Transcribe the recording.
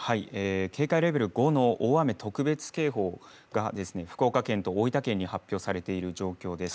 警戒レベル５の大雨特別警報が福岡県と大分県に発表されている状況です。